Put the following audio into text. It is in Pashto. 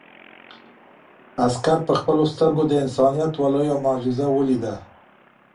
عسکر په خپلو سترګو د انسانیت یو لویه معجزه ولیده.